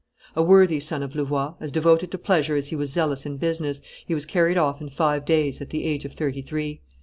A worthy son of Louvois, as devoted to pleasure as he was zealous in business, he was carried off in five days, at the age of thirty three.